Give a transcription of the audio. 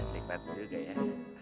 sikmat juga ya